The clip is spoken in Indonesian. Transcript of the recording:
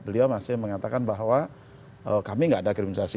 beliau masih mengatakan bahwa kami tidak ada kriminalisasi